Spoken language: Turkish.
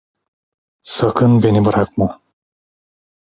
Sakın beni bırakma…